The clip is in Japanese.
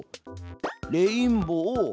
「レインボー」。